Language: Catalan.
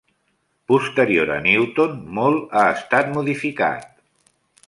Posterior a Newton, molt ha estat modificat.